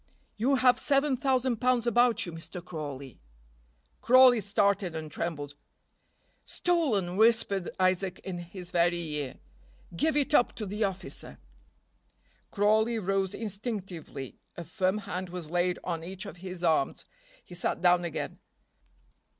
"You have seven thousand pounds about you, Mr. Crawley." Crawley started and trembled. "Stolen!" whispered Isaac in his very ear. "Give it up to the officer." Crawley rose instinctively. A firm hand was laid on each of his arms; he sat down again.